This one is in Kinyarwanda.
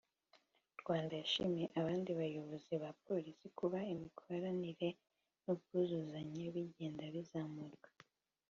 Umuyobozi wa Polisi y’u Rwanda yashimiye abandi bayobozi ba Polisi kuba imikoranire n’ubwuzuzanye bigenda bizamuka